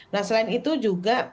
nah selain itu juga